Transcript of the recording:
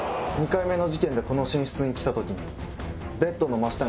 ２回目の事件でこの寝室に来た時に。